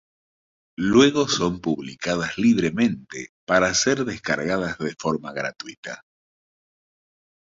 Luego son publicadas libremente para ser descargadas de forma gratuita.